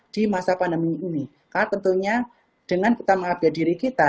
di masa pandemi ini karena tentunya dengan kita menghabia diri kita